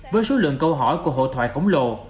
với số lượng câu hỏi của hội thoại khổng lồ